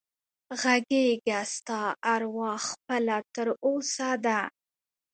غږېږه ستا اروا خپله تر اوسه ده